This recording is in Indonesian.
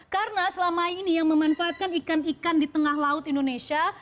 karena selama ini yang memanfaatkan ikan ikan di tengah laut indonesia